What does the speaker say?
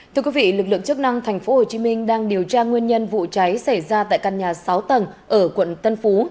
thưa quý vị lực lượng chức năng tp hcm đang điều tra nguyên nhân vụ cháy xảy ra tại căn nhà sáu tầng ở quận tân phú